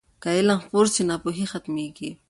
که علم خپور سي، ناپوهي ختمېږي.